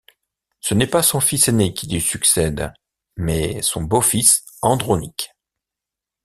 Ce n'est pas son fils aîné qui lui succède, mais son beau-fils Andronic.